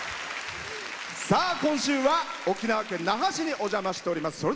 今週は沖縄県那覇市にお邪魔しております。